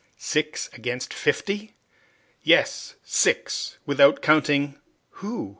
six against fifty!" "Yes! six! without counting " "Who?"